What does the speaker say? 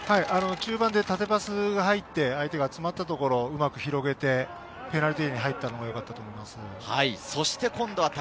中盤で縦パス、途中に入って相手が詰まったところをうまく広げて、ペナルティーエリアに入ったのがよかったと思います。